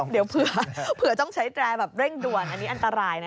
เดี๋ยวเผื่อต้องใช้แตรแบบเร่งด่วนอันนี้อันตรายนะ